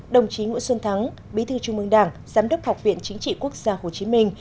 đồng chí nguyễn xuân thắng bí thư trung mương đảng giám đốc học viện chính trị quốc gia hồ chí minh